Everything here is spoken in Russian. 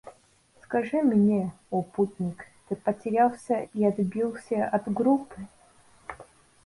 Скажи мне, о путник, ты потерялся и отбился от группы?